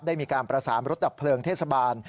ได้มีการประสานรถดับเพลิงเทศบาล